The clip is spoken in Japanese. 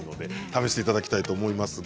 試していただきたいと思います。